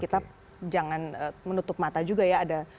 kita jangan menutup mata juga ya